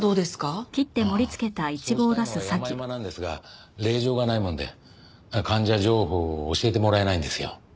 ああそうしたいのは山々なんですが令状がないもので患者情報を教えてもらえないんですよ。